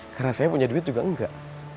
karena saya punya duit juga enggak